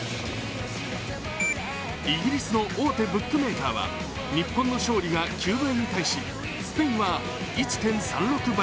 イギリスの大手ブックメーカーは日本の勝利が９倍に対しスペインは１．３６倍。